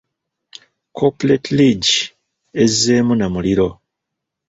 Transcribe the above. Corporate League ezzeemu na muliro.